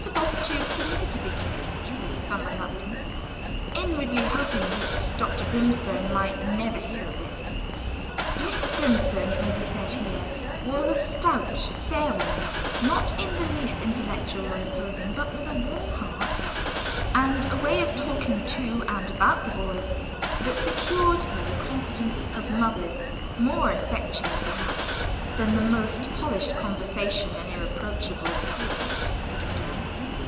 Bultitude submitted to be kissed with some reluctance, inwardly hoping that Dr. Grimstone might never hear of it. Mrs. Grimstone, it may be said here, was a stout, fair woman, not in the least intellectual or imposing, but with a warm heart, and a way of talking to and about boys that secured her the confidence of mothers more effectually, perhaps, than the most polished conversation and irreproachable deportment could have done.